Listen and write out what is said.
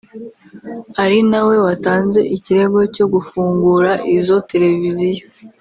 ari na we watanze ikirego cyo gufungura izo televiziyo